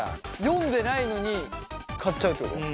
読んでないのに買っちゃうってこと？